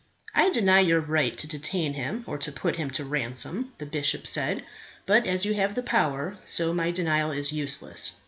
"I deny your right to detain him or to put him to ransom," the bishop said. "But as you have the power, so my denial is useless.